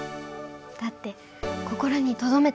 だって心にとどめたから。